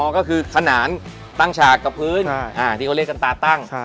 ก็คือขนานตั้งฉากกับพื้นที่เขาเรียกกันตาตั้ง